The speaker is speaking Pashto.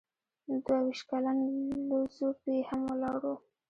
دوه ویشت کلن لو ځو پي هم ولاړ و.